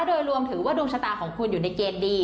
โดยรวมถือว่าดวงชะตาของคุณอยู่ในเกณฑ์ดี